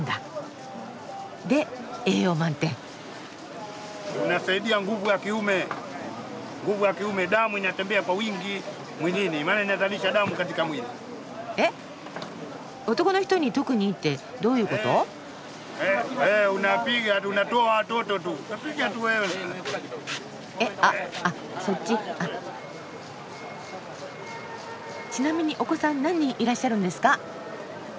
ちなみにお子さん何人いらっしゃるんですか？